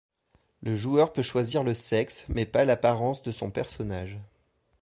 Le joueur peut choisir le sexe mais pas l'apparence de son personnage.